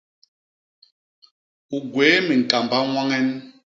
U gwéé miñkamba ñwañen?